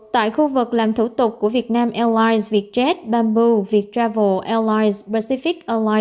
tại khu vực làm thủ tục của việt nam airlines việt jet bamboo việt travel airlines pacific